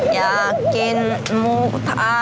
อยากกินหมูกระทะ